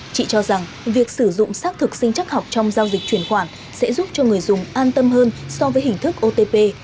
chị cho rằng việc sử dụng sát thực sinh chắc học trong giao dịch chuyển khoản sẽ giúp cho người dùng an tâm hơn so với hình thức của công nghệ này